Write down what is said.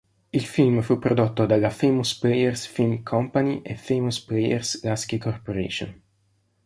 Il film fu prodotto dalla Famous Players Film Company e Famous Players-Lasky Corporation.